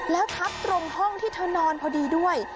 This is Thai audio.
แล้วทับตรงห้องที่เธอนอนพอดีด้วย